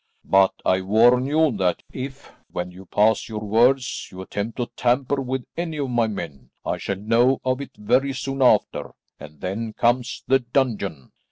But I warn you that if, when you pass your words, you attempt to tamper with any of my men, I shall know of it very soon after, and then comes the dungeon."